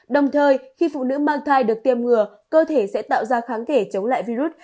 đồng thời khi phụ nữ mang thai được tiêm ngừa cơ thể sẽ tạo ra kháng thể chống lại virus